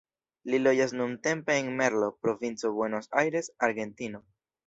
Li loĝas nuntempe en Merlo, provinco Buenos Aires, Argentino.